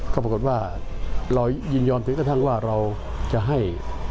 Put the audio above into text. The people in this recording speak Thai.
ก็ปรากฏว่าเรายินยอมถึงกระทั่งว่าเราจะให้